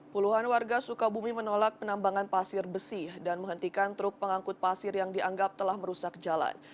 puluhan warga sukabumi menolak penambangan pasir besi dan menghentikan truk pengangkut pasir yang dianggap telah merusak jalan